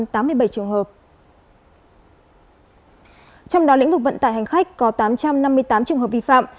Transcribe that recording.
trong đó lĩnh vực vận tải hành khách có tám trăm năm mươi tám trường hợp vi phạm